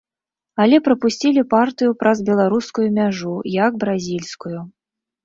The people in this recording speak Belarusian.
Але прапусцілі партыю праз беларускую мяжу, як бразільскую.